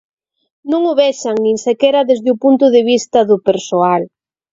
Non o vexan, nin sequera desde o punto do vista do persoal.